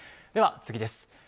では次です。